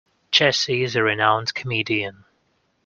Jessie is a renowned comedian.